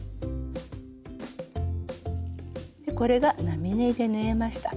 これが並縫いで縫えました。